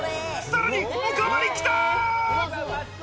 さらにおかわり来た！